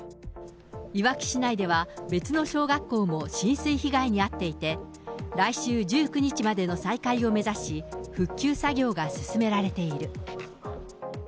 いわき市内では、別の小学校も浸水被害に遭っていて、来週１９日までの再開を目指し、復旧作業が進められている。